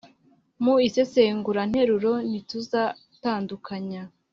mu isesenguranteruro ntituzatandukanya